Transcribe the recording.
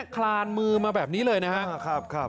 คลานมือมาแบบนี้เลยนะครับ